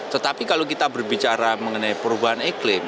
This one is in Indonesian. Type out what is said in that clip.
tetapi kalau kita berbicara mengenai perubahan iklim